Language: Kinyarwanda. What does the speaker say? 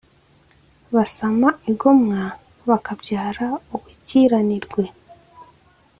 basama igomwa bakabyara ubukiranirwe,